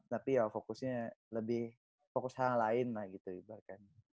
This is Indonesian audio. tapi ya fokusnya lebih fokus hal lain lah gitu ibarikannya